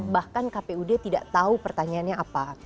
bahkan kpud tidak tahu pertanyaannya apa